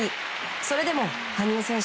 それでも、羽生選手